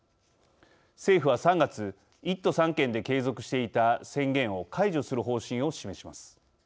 政府は３月１都３県で継続していた宣言を解除する方針を示します。